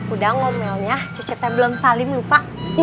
udah ngomelnya cecetnya belum saling lupa